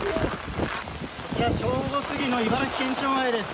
こちら正午過ぎの茨城県庁前です。